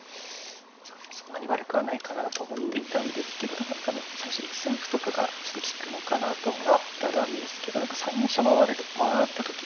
そんなに悪くはないかなと思っていたんですけどただ最初１三歩とかがちょっと利くのかなと思ったんですけど何か３四飛車回られた時に。